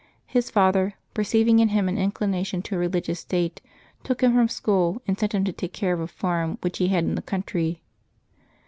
His father, perceiving in him an inclination to a religious state, took him from school, and sent him to take care of a farm which he had in the country.